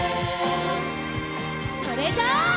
それじゃあ。